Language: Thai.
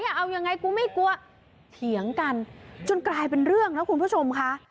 เอายังไงกูไม่กลัวเถียงกันจนกลายเป็นเรื่องนะคุณผู้ชมค่ะ